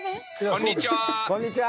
こんにちは！